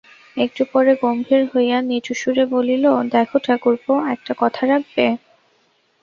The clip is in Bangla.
একটু পরে গম্ভীর হইয়া নিচু সুরে বলিল, দেখো ঠাকুরপো, একটা কথা রাখবে?